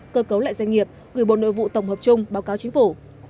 cơ cấu lại doanh nghiệp gửi bộ nội vụ tổng hợp chung báo cáo chính phủ